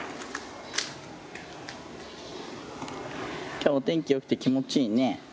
今日お天気よくて気持ちいいね。